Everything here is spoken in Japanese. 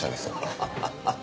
ハハハハ。